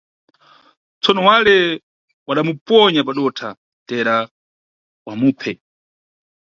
Tsono, wale wada muponya padotha teera wamuphe.